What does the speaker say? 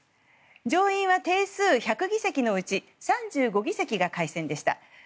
上院は定数１００議席のうち３５議席が改選でした。